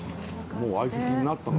もう相席になったの？